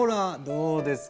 どうです？